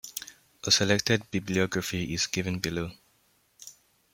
A selected bibliography is given below.